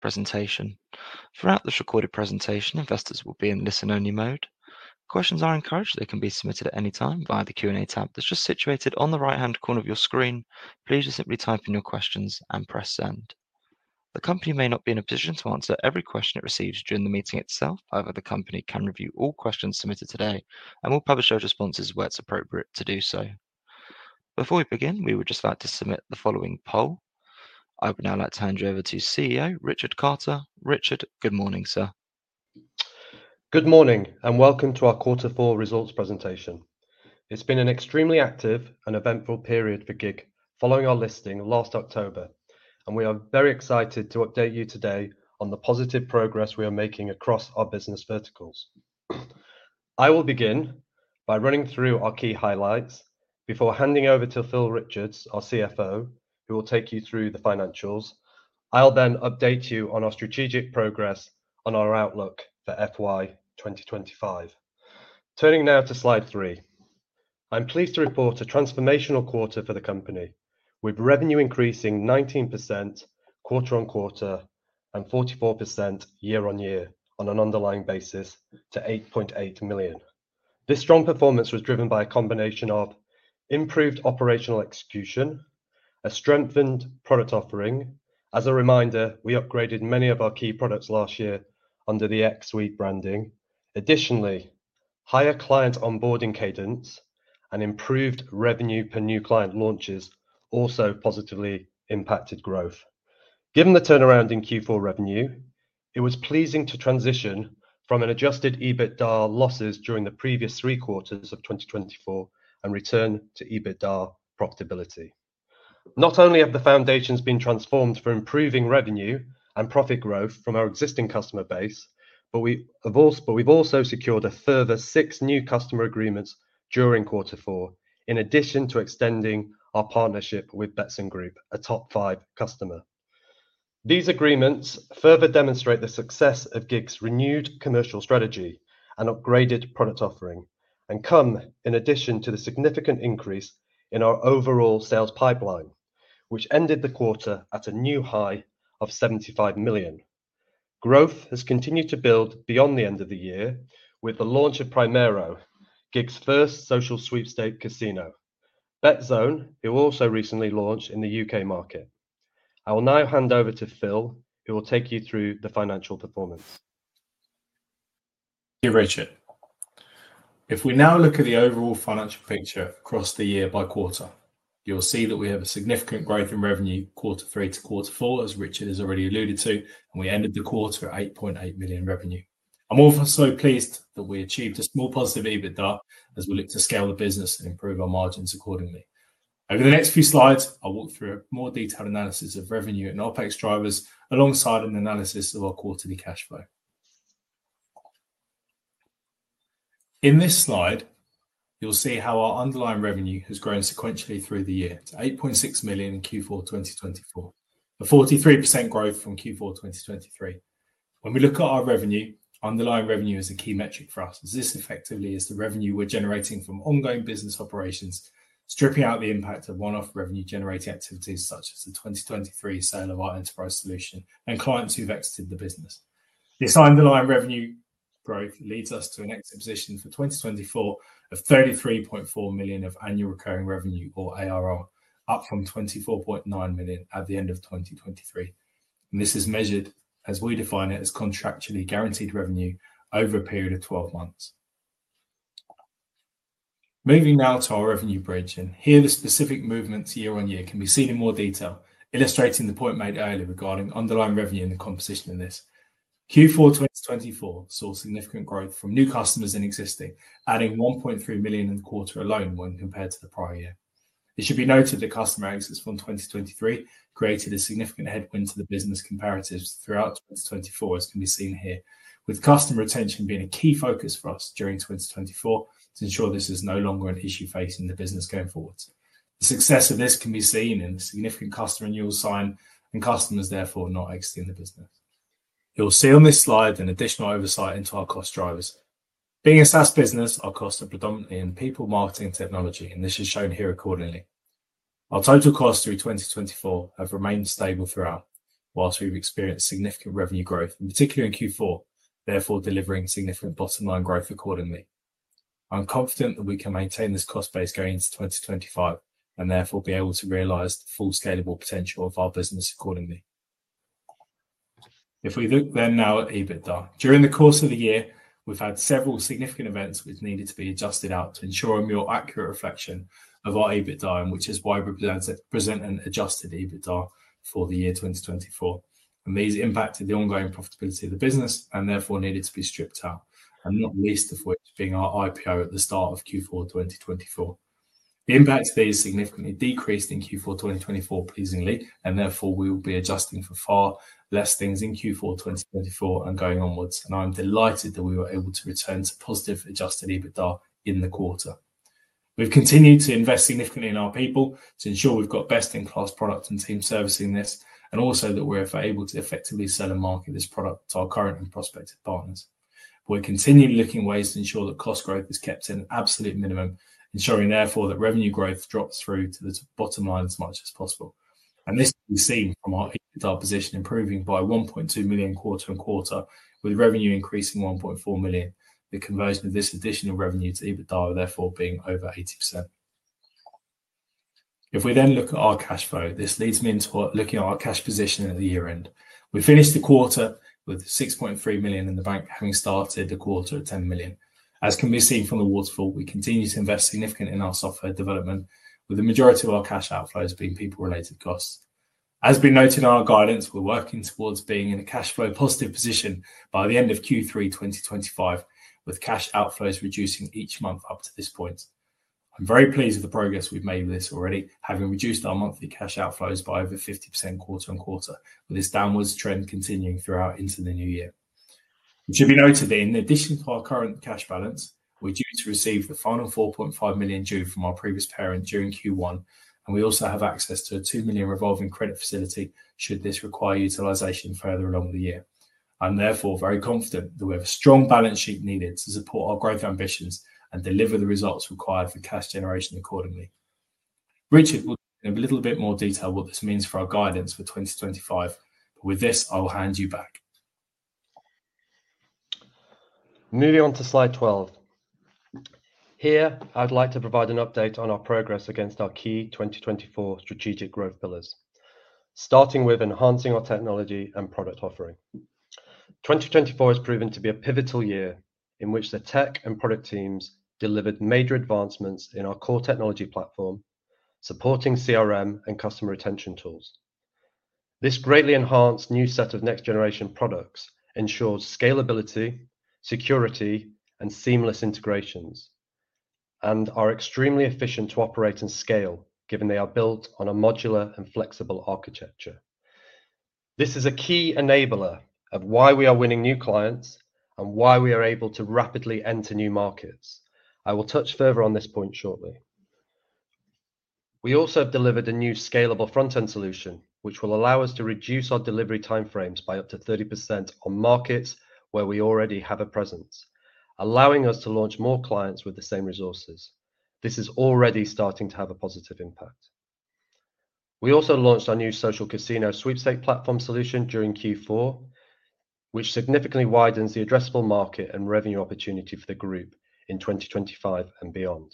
Presentation. Throughout this recorded presentation, investors will be in listen-only mode. Questions are encouraged; they can be submitted at any time via the Q&A tab that's just situated on the right-hand corner of your screen. Please just simply type in your questions and press send. The company may not be in a position to answer every question it receives during the meeting itself. However, the company can review all questions submitted today and will publish those responses where it's appropriate to do so. Before we begin, we would just like to submit the following poll. I would now like to hand you over to CEO Richard Carter. Richard, good morning, sir. Good morning and welcome to our quarter four results presentation. It's been an extremely active and eventful period for GiG following our listing last October, and we are very excited to update you today on the positive progress we are making across our business verticals. I will begin by running through our key highlights before handing over to Phil Richards, our CFO, who will take you through the financials. I'll then update you on our strategic progress on our outlook for FY 2025. Turning now to slide 3, I'm pleased to report a transformational quarter for the company, with revenue increasing 19% quarter on quarter and 44% year on year on an underlying basis to 8.8 million. This strong performance was driven by a combination of improved operational execution, a strengthened product offering. As a reminder, we upgraded many of our key products last year under the xSuite branding. Additionally, higher client onboarding cadence and improved revenue per new client launches also positively impacted growth. Given the turnaround in Q4 revenue, it was pleasing to transition from adjusted EBITDA losses during the previous three quarters of 2024 and return to EBITDA profitability. Not only have the foundations been transformed for improving revenue and profit growth from our existing customer base, but we've also secured a further six new customer agreements during quarter four, in addition to extending our partnership with Betsson Group, a top five customer. These agreements further demonstrate the success of GiG's renewed commercial strategy and upgraded product offering, and come in addition to the significant increase in our overall sales pipeline, which ended the quarter at a new high of 75 million. Growth has continued to build beyond the end of the year with the launch of Primero, GiG's first social sweepstake casino, Betzone, who also recently launched in the U.K. market. I will now hand over to Phil, who will take you through the financial performance. Thank you, Richard. If we now look at the overall financial picture across the year by quarter, you'll see that we have a significant growth in revenue Quarter Three to Quarter Four, as Richard has already alluded to, and we ended the quarter at 8.8 million revenue. I'm also pleased that we achieved a more positive EBITDA as we look to scale the business and improve our margins accordingly. Over the next few slides, I'll walk through a more detailed analysis of revenue and OpEx drivers alongside an analysis of our quarterly cash flow. In this slide, you'll see how our underlying revenue has grown sequentially through the year to 8.6 million in Q4 2024, a 43% growth from Q4 2023. When we look at our revenue, underlying revenue is a key metric for us, as this effectively is the revenue we're generating from ongoing business operations, stripping out the impact of one-off revenue-generating activities such as the 2023 sale of our enterprise solution and clients who've exited the business. This underlying revenue growth leads us to an exit position for 2024 of 33.4 million of annual recurring revenue, or ARR, up from 24.9 million at the end of 2023. This is measured, as we define it, as contractually guaranteed revenue over a period of 12 months. Moving now to our revenue bridge, and here the specific movements year on year can be seen in more detail, illustrating the point made earlier regarding underlying revenue and the composition of this. Q4 2024 saw significant growth from new customers and existing, adding 1.3 million in the quarter alone when compared to the prior year. It should be noted that customer exits from 2023 created a significant headwind to the business comparatives throughout 2024, as can be seen here, with customer retention being a key focus for us during 2024 to ensure this is no longer an issue facing the business going forward. The success of this can be seen in the significant customer renewal sign and customers therefore not exiting the business. You'll see on this slide an additional oversight into our cost drivers. Being a SaaS business, our costs are predominantly in people, marketing, and technology, and this is shown here accordingly. Our total costs through 2024 have remained stable throughout, whilst we've experienced significant revenue growth, particularly in Q4, therefore delivering significant bottom line growth accordingly. I'm confident that we can maintain this cost base going into 2025 and therefore be able to realize the full scalable potential of our business accordingly. If we look then now at EBITDA, during the course of the year, we've had several significant events which needed to be adjusted out to ensure a more accurate reflection of our EBITDA, which is why we present an adjusted EBITDA for the year 2024. These impacted the ongoing profitability of the business and therefore needed to be stripped out, not least of which being our IPO at the start of Q4 2024. The impact of these significantly decreased in Q4 2024, pleasingly, and therefore we will be adjusting for far less things in Q4 2024 and going onwards. I'm delighted that we were able to return to positive adjusted EBITDA in the quarter. We've continued to invest significantly in our people to ensure we've got best-in-class product and team servicing this, and also that we're able to effectively sell and market this product to our current and prospective partners. We're continually looking for ways to ensure that cost growth is kept to an absolute minimum, ensuring therefore that revenue growth drops through to the bottom line as much as possible. This can be seen from our EBITDA position improving by 1.2 million quarter on quarter, with revenue increasing 1.4 million, the conversion of this additional revenue to EBITDA therefore being over 80%. If we then look at our cash flow, this leads me into looking at our cash position at the year end. We finished the quarter with 6.3 million in the bank, having started the quarter at 10 million. As can be seen from the waterfall, we continue to invest significantly in our software development, with the majority of our cash outflows being people-related costs. As been noted in our guidance, we're working towards being in a cash flow positive position by the end of Q3 2025, with cash outflows reducing each month up to this point. I'm very pleased with the progress we've made with this already, having reduced our monthly cash outflows by over 50% quarter on quarter, with this downwards trend continuing throughout into the new year. It should be noted that in addition to our current cash balance, we're due to receive the final 4.5 million due from our previous parent during Q1, and we also have access to a 2 million revolving credit facility should this require utilization further along the year. I'm therefore very confident that we have a strong balance sheet needed to support our growth ambitions and deliver the results required for cash generation accordingly. Richard will explain in a little bit more detail what this means for our guidance for 2025, but with this, I'll hand you back. Moving on to slide 12. Here, I'd like to provide an update on our progress against our key 2024 strategic growth pillars, starting with enhancing our technology and product offering. 2024 has proven to be a pivotal year in which the tech and product teams delivered major advancements in our core technology platform, supporting CRM and customer retention tools. This greatly enhanced new set of next-generation products ensures scalability, security, and seamless integrations, and are extremely efficient to operate and scale, given they are built on a modular and flexible architecture. This is a key enabler of why we are winning new clients and why we are able to rapidly enter new markets. I will touch further on this point shortly. We also have delivered a new scalable front-end solution, which will allow us to reduce our delivery timeframes by up to 30% on markets where we already have a presence, allowing us to launch more clients with the same resources. This is already starting to have a positive impact. We also launched our new social casino sweepstake platform solution during Q4, which significantly widens the addressable market and revenue opportunity for the group in 2025 and beyond.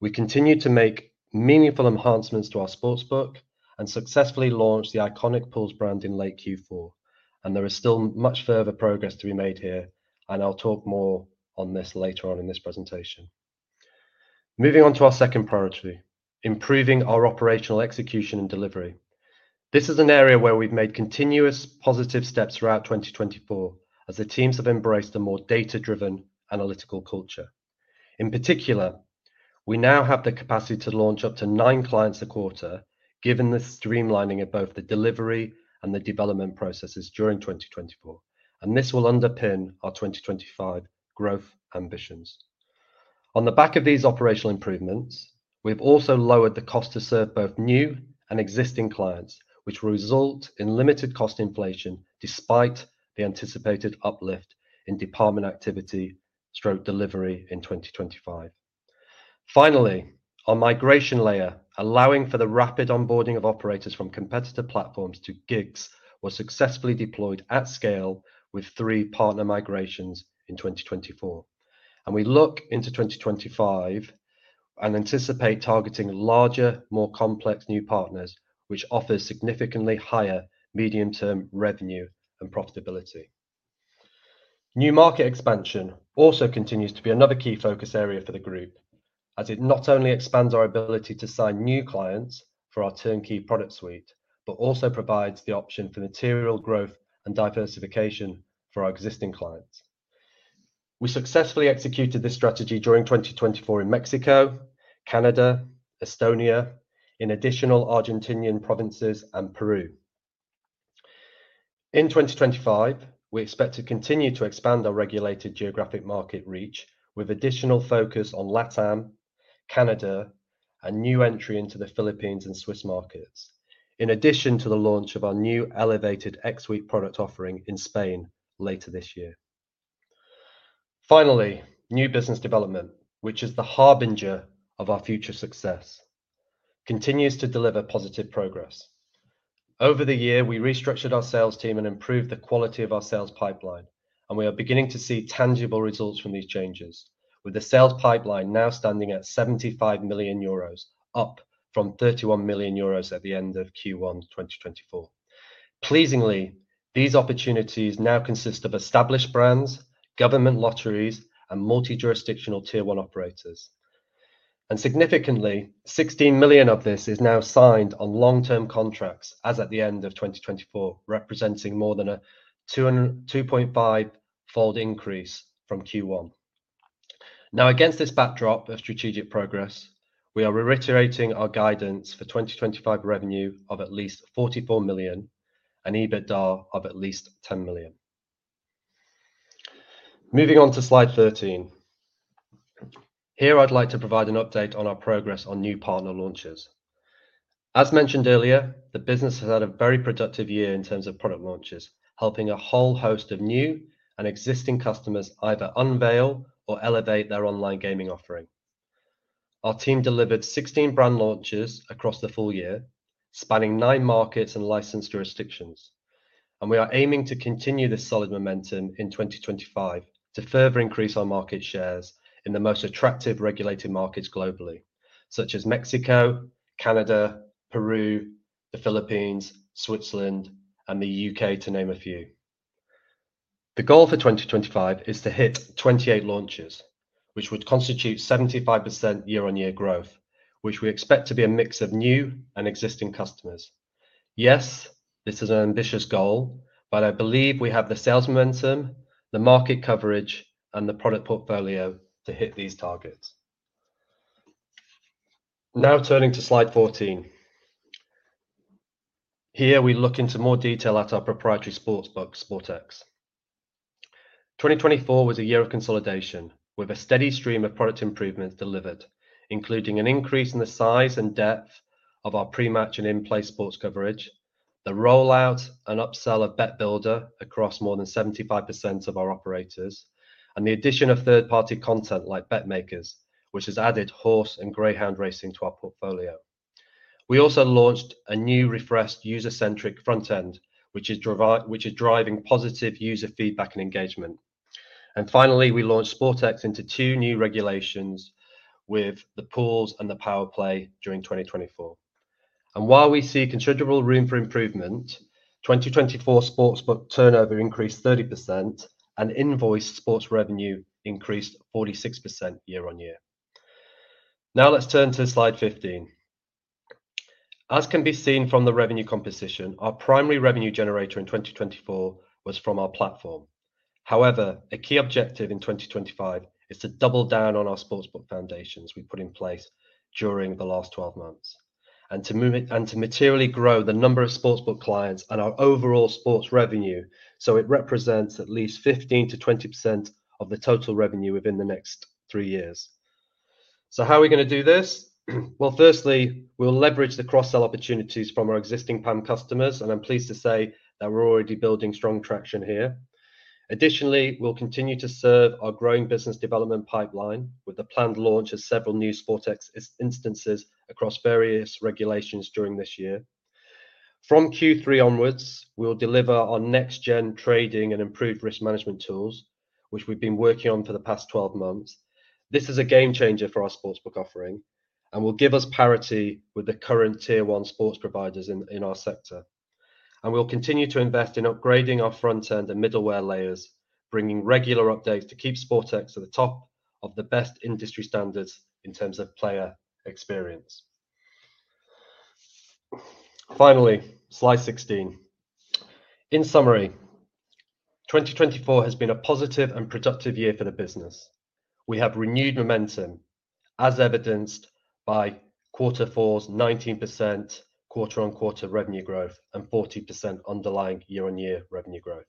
We continue to make meaningful enhancements to our sportsbook and successfully launched the Iconic Pools brand in late Q4, and there is still much further progress to be made here, and I'll talk more on this later on in this presentation. Moving on to our second priority, improving our operational execution and delivery. This is an area where we've made continuous positive steps throughout 2024 as the teams have embraced a more data-driven analytical culture. In particular, we now have the capacity to launch up to nine clients a quarter, given the streamlining of both the delivery and the development processes during 2024, and this will underpin our 2025 growth ambitions. On the back of these operational improvements, we've also lowered the cost to serve both new and existing clients, which will result in limited cost inflation despite the anticipated uplift in department activity/delivery in 2025. Finally, our migration layer, allowing for the rapid onboarding of operators from competitor platforms to GiG's, was successfully deployed at scale with three partner migrations in 2024. We look into 2025 and anticipate targeting larger, more complex new partners, which offers significantly higher medium-term revenue and profitability. New market expansion also continues to be another key focus area for the group, as it not only expands our ability to sign new clients for our turnkey product suite, but also provides the option for material growth and diversification for our existing clients. We successfully executed this strategy during 2024 in Mexico, Canada, Estonia, in additional Argentinian provinces, and Peru. In 2025, we expect to continue to expand our regulated geographic market reach with additional focus on LATAM, Canada, and new entry into the Philippines and Swiss markets, in addition to the launch of our new elevated xSuite product offering in Spain later this year. Finally, new business development, which is the harbinger of our future success, continues to deliver positive progress. Over the year, we restructured our sales team and improved the quality of our sales pipeline, and we are beginning to see tangible results from these changes, with the sales pipeline now standing at 75 million euros, up from 31 million euros at the end of Q1 2024. Pleasingly, these opportunities now consist of established brands, government lotteries, and multi-jurisdictional tier one operators. Significantly, 16 million of this is now signed on long-term contracts as at the end of 2024, representing more than a 2.5-fold increase from Q1. Now, against this backdrop of strategic progress, we are reiterating our guidance for 2025 revenue of at least 44 million and EBITDA of at least 10 million. Moving on to slide 13. Here, I'd like to provide an update on our progress on new partner launches. As mentioned earlier, the business has had a very productive year in terms of product launches, helping a whole host of new and existing customers either unveil or elevate their online gaming offering. Our team delivered 16 brand launches across the full year, spanning nine markets and licensed jurisdictions, and we are aiming to continue this solid momentum in 2025 to further increase our market shares in the most attractive regulated markets globally, such as Mexico, Canada, Peru, the Philippines, Switzerland, and the U.K., to name a few. The goal for 2025 is to hit 28 launches, which would constitute 75% year-on-year growth, which we expect to be a mix of new and existing customers. Yes, this is an ambitious goal, but I believe we have the sales momentum, the market coverage, and the product portfolio to hit these targets. Now turning to slide 14. Here, we look into more detail at our proprietary sportsbook, SportEx. 2024 was a year of consolidation, with a steady stream of product improvements delivered, including an increase in the size and depth of our pre-match and in-play sports coverage, the rollout and upsell of Bet Builder across more than 75% of our operators, and the addition of third-party content like BetMakers, which has added horse and greyhound racing to our portfolio. We also launched a new refreshed user-centric front end, which is driving positive user feedback and engagement. We launched SportEx into two new regulations with the Pools and the Powerplay during 2024. While we see considerable room for improvement, 2024 sportsbook turnover increased 30%, and invoice sports revenue increased 46% year-on-year. Now let's turn to slide 15. As can be seen from the revenue composition, our primary revenue generator in 2024 was from our platform. However, a key objective in 2025 is to double down on our sportsbook foundations we put in place during the last 12 months and to materially grow the number of sportsbook clients and our overall sports revenue so it represents at least 15%-20% of the total revenue within the next three years. How are we going to do this? Firstly, we'll leverage the cross-sell opportunities from our existing PAM customers, and I'm pleased to say that we're already building strong traction here. Additionally, we'll continue to serve our growing business development pipeline with the planned launch of several new SportEx instances across various regulations during this year. From Q3 onwards, we'll deliver our next-gen trading and improved risk management tools, which we've been working on for the past 12 months. This is a game changer for our sportsbook offering and will give us parity with the current tier one sports providers in our sector. We will continue to invest in upgrading our front-end and middleware layers, bringing regular updates to keep SportEx at the top of the best industry standards in terms of player experience. Finally, slide 16. In summary, 2024 has been a positive and productive year for the business. We have renewed momentum, as evidenced by quarter four's 19% quarter-on-quarter revenue growth and 40% underlying year-on-year revenue growth.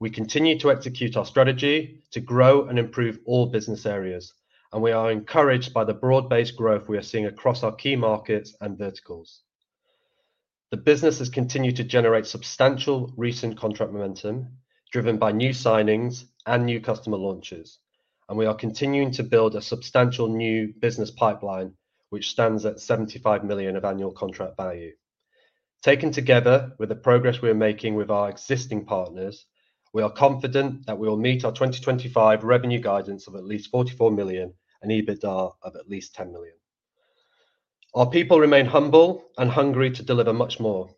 We continue to execute our strategy to grow and improve all business areas, and we are encouraged by the broad-based growth we are seeing across our key markets and verticals. The business has continued to generate substantial recent contract momentum driven by new signings and new customer launches, and we are continuing to build a substantial new business pipeline, which stands at 75 million of annual contract value. Taken together with the progress we are making with our existing partners, we are confident that we will meet our 2025 revenue guidance of at least 44 million and EBITDA of at least 10 million. Our people remain humble and hungry to deliver much more,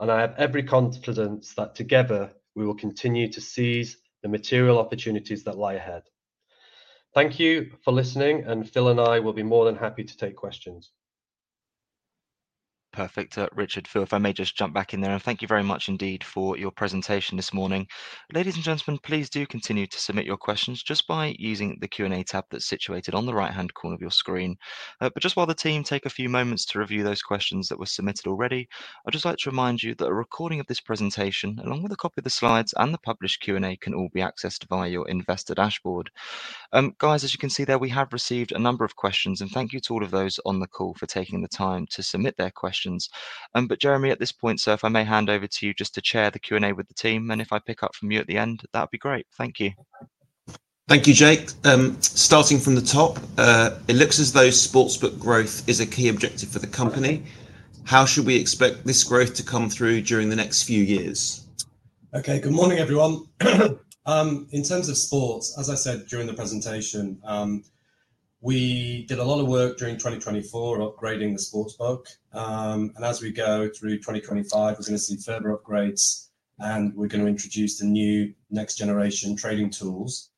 and I have every confidence that together we will continue to seize the material opportunities that lie ahead. Thank you for listening, and Phil and I will be more than happy to take questions. Perfect, Richard. Phil, if I may just jump back in there, and thank you very much indeed for your presentation this morning. Ladies and gentlemen, please do continue to submit your questions just by using the Q&A tab that's situated on the right-hand corner of your screen. While the team takes a few moments to review those questions that were submitted already, I'd just like to remind you that a recording of this presentation, along with a copy of the slides and the published Q&A, can all be accessed via your investor dashboard. Guys, as you can see there, we have received a number of questions, and thank you to all of those on the call for taking the time to submit their questions. Jeremy, at this point, sir, if I may hand over to you just to chair the Q&A with the team, and if I pick up from you at the end, that'd be great. Thank you. Thank you, Jake. Starting from the top, it looks as though sportsbook growth is a key objective for the company. How should we expect this growth to come through during the next few years? Okay, good morning, everyone. In terms of sports, as I said during the presentation, we did a lot of work during 2024 upgrading the sportsbook, and as we go through 2025, we're going to see further upgrades, and we're going to introduce the new next-generation trading tools.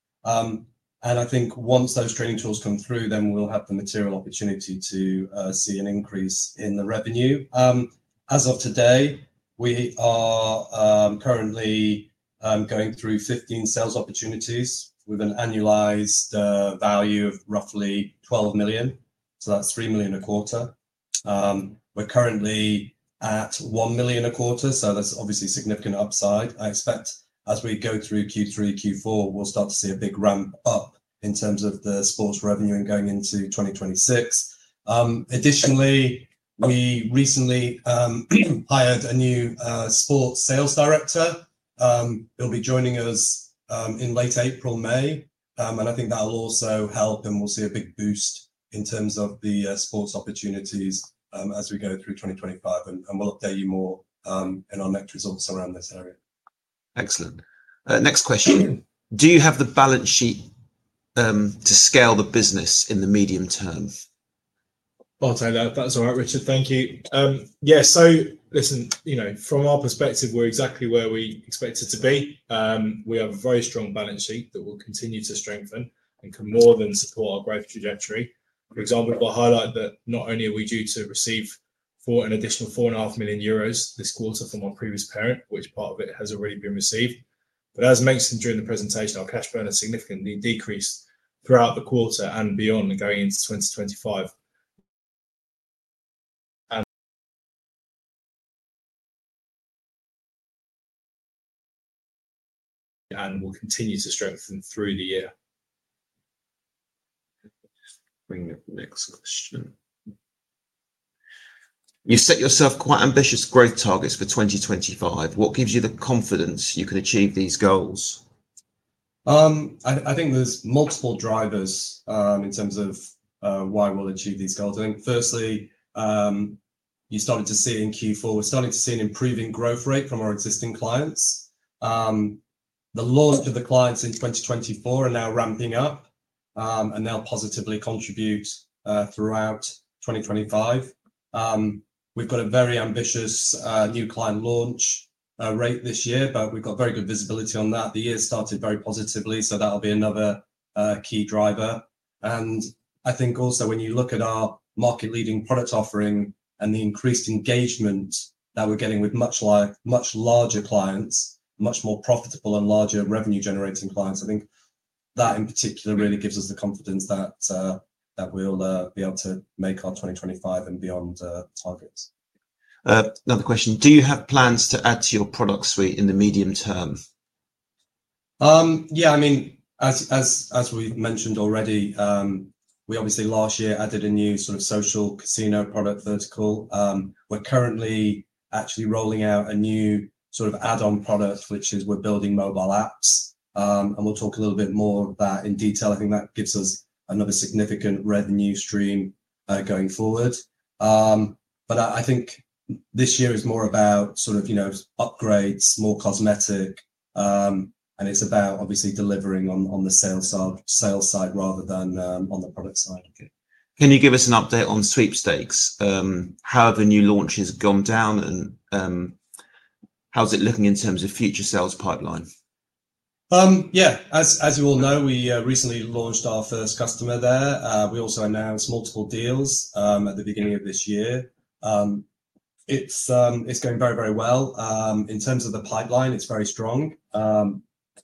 I think once those trading tools come through, then we'll have the material opportunity to see an increase in the revenue. As of today, we are currently going through 15 sales opportunities with an annualized value of roughly 12 million. That's 3 million a quarter. We're currently at 1 million a quarter, so that's obviously significant upside. I expect as we go through Q3, Q4, we'll start to see a big ramp up in terms of the sports revenue and going into 2026. Additionally, we recently hired a new sports sales director. He'll be joining us in late April, May, and I think that'll also help, and we'll see a big boost in terms of the sports opportunities as we go through 2025, and we'll update you more in our next results around this area. Excellent. Next question. Do you have the balance sheet to scale the business in the medium term? I'll take that. That's all right, Richard. Thank you. Yeah, listen, from our perspective, we're exactly where we expect it to be. We have a very strong balance sheet that we'll continue to strengthen and can more than support our growth trajectory. For example, I'll highlight that not only are we due to receive an additional 4.5 million euros this quarter from our previous parent, which part of it has already been received, but as mentioned during the presentation, our cash burn has significantly decreased throughout the quarter and beyond going into 2025. We will continue to strengthen through the year. Bring the next question. You set yourself quite ambitious growth targets for 2025. What gives you the confidence you can achieve these goals? I think there's multiple drivers in terms of why we'll achieve these goals. I think firstly, you started to see in Q4, we're starting to see an improving growth rate from our existing clients. The launch of the clients in 2024 are now ramping up, and they'll positively contribute throughout 2025. We've got a very ambitious new client launch rate this year, but we've got very good visibility on that. The year started very positively, that will be another key driver. I think also when you look at our market-leading product offering and the increased engagement that we're getting with much larger clients, much more profitable and larger revenue-generating clients, I think that in particular really gives us the confidence that we'll be able to make our 2025 and beyond targets. Another question. Do you have plans to add to your product suite in the medium term? Yeah, I mean, as we've mentioned already, we obviously last year added a new sort of social casino product vertical. We're currently actually rolling out a new sort of add-on product, which is we're building mobile apps, and we'll talk a little bit more of that in detail. I think that gives us another significant revenue stream going forward. I think this year is more about sort of upgrades, more cosmetic, and it's about obviously delivering on the sales side rather than on the product side. Can you give us an update on sweepstakes? How have the new launches gone down, and how's it looking in terms of future sales pipeline? Yeah, as you all know, we recently launched our first customer there. We also announced multiple deals at the beginning of this year. It's going very, very well. In terms of the pipeline, it's very strong.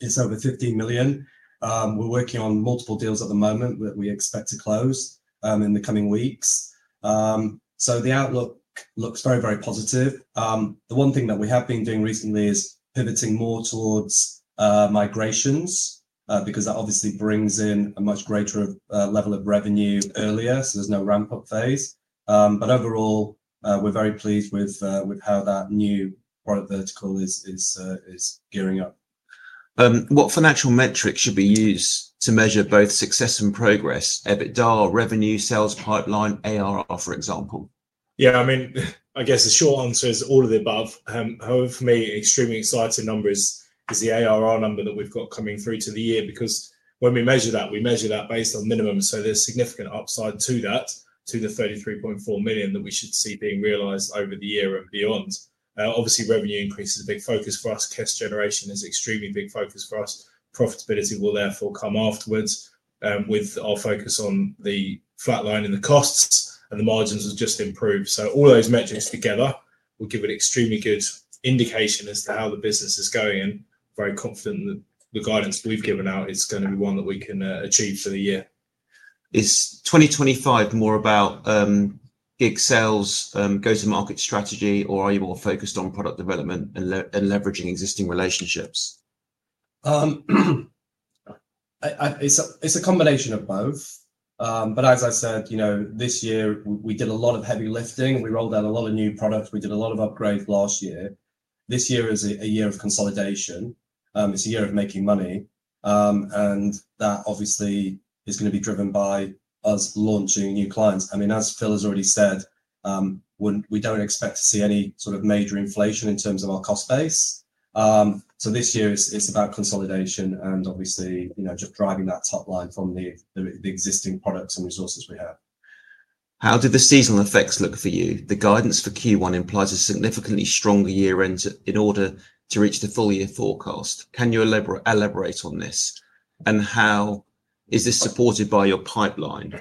It's over 15 million. We're working on multiple deals at the moment that we expect to close in the coming weeks. The outlook looks very, very positive. The one thing that we have been doing recently is pivoting more towards migrations because that obviously brings in a much greater level of revenue earlier, so there's no ramp-up phase. Overall, we're very pleased with how that new product vertical is gearing up. What financial metrics should be used to measure both success and progress? EBITDA, revenue, sales pipeline, ARR, for example? Yeah, I mean, I guess the short answer is all of the above. However, for me, extremely exciting numbers is the ARR number that we've got coming through to the year because when we measure that, we measure that based on minimum. There is significant upside to that, to the 33.4 million that we should see being realized over the year and beyond. Obviously, revenue increase is a big focus for us. Cash generation is an extremely big focus for us. Profitability will therefore come afterwards with our focus on the flat line and the costs, and the margins will just improve. All those metrics together will give an extremely good indication as to how the business is going, and very confident that the guidance we've given out is going to be one that we can achieve for the year. Is 2025 more about GiG sales, go-to-market strategy, or are you more focused on product development and leveraging existing relationships? It's a combination of both. As I said, this year we did a lot of heavy lifting. We rolled out a lot of new products. We did a lot of upgrades last year. This year is a year of consolidation. It's a year of making money, and that obviously is going to be driven by us launching new clients. I mean, as Phil has already said, we don't expect to see any sort of major inflation in terms of our cost base. This year is about consolidation and obviously just driving that top line from the existing products and resources we have. How did the seasonal effects look for you? The guidance for Q1 implies a significantly stronger year-end in order to reach the full-year forecast. Can you elaborate on this? How is this supported by your pipeline?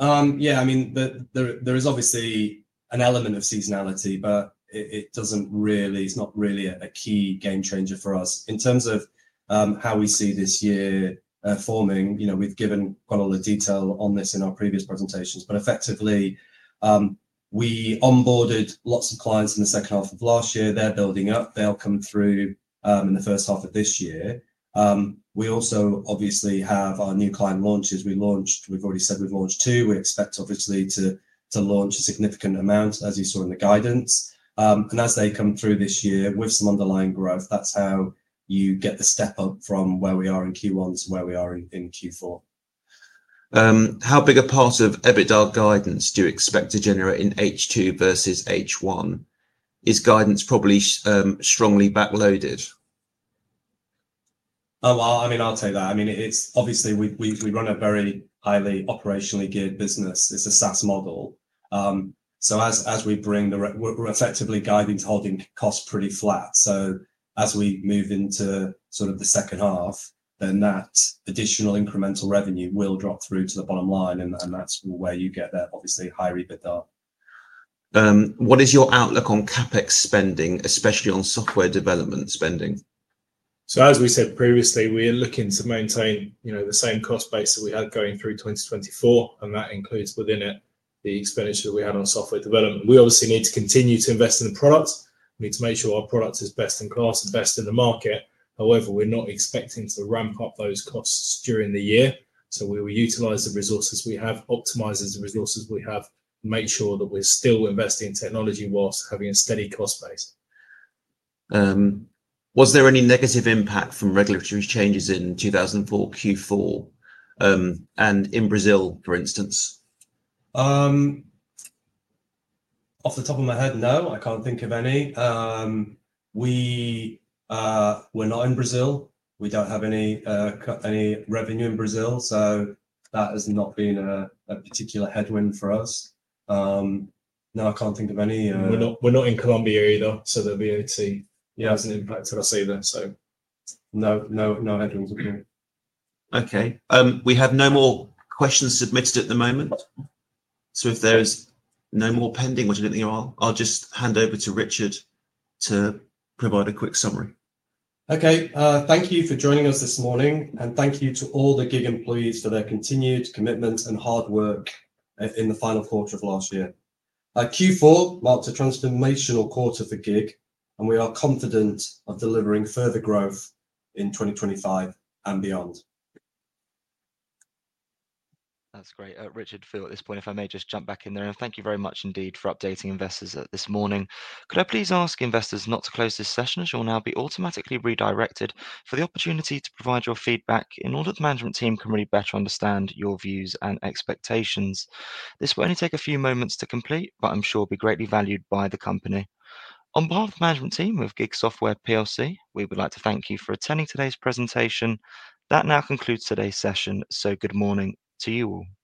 Yeah, I mean, there is obviously an element of seasonality, but it's not really a key game changer for us. In terms of how we see this year forming, we've given quite a lot of detail on this in our previous presentations, but effectively, we onboarded lots of clients in the second half of last year. They're building up. They'll come through in the first half of this year. We also obviously have our new client launches. We've already said we've launched two. We expect obviously to launch a significant amount, as you saw in the guidance. As they come through this year with some underlying growth, that's how you get the step up from where we are in Q1 to where we are in Q4. How big a part of EBITDA guidance do you expect to generate in H2 versus H1? Is guidance probably strongly backloaded? I mean, I'll take that. I mean, obviously, we run a very highly operationally geared business. It's a SaaS model. As we bring the effectively guidance, holding costs pretty flat. As we move into sort of the second half, that additional incremental revenue will drop through to the bottom line, and that's where you get that obviously high EBITDA. What is your outlook on CapEx spending, especially on software development spending? As we said previously, we are looking to maintain the same cost base that we had going through 2024, and that includes within it the expenditure that we had on software development. We obviously need to continue to invest in the product. We need to make sure our product is best in class and best in the market. However, we're not expecting to ramp up those costs during the year. We will utilize the resources we have, optimize the resources we have, and make sure that we're still investing in technology whilst having a steady cost base. Was there any negative impact from regulatory changes in 2024 Q4 and in Brazil, for instance? Off the top of my head, no. I can't think of any. We're not in Brazil. We don't have any revenue in Brazil, so that has not been a particular headwind for us. No, I can't think of any. We're not in Colombia either, so that hasn't impacted us either. No, no headwinds with me. Okay. We have no more questions submitted at the moment. If there are no more pending, which I do not think there are, I will just hand over to Richard to provide a quick summary. Okay. Thank you for joining us this morning, and thank you to all the GiG employees for their continued commitment and hard work in the final quarter of last year. Q4 marks a transformational quarter for GiG, and we are confident of delivering further growth in 2025 and beyond. That's great. Richard, Phil, at this point, if I may just jump back in there, and thank you very much indeed for updating investors this morning. Could I please ask investors not to close this session? It will now be automatically redirected for the opportunity to provide your feedback in order the management team can really better understand your views and expectations. This will only take a few moments to complete, but I'm sure it will be greatly valued by the company. On behalf of the management team of GiG Software, we would like to thank you for attending today's presentation. That now concludes today's session, so good morning to you all.